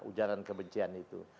ujaran kebencian itu